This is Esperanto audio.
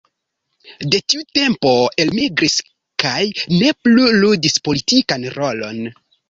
De tiu tempo elmigris kaj ne plu ludis politikan rolon.